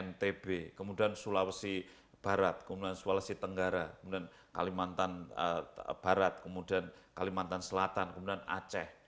ntb kemudian sulawesi barat kemudian sulawesi tenggara kemudian kalimantan barat kemudian kalimantan selatan kemudian aceh